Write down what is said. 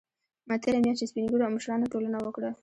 تېره میاشت سپین ږیرو او مشرانو ټولنه وکړه